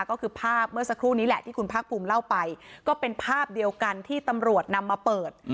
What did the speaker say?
ก็คือภาพเมื่อสักครู่นี้แหละที่คุณภาคภูมิเล่าไปก็เป็นภาพเดียวกันที่ตำรวจนำมาเปิด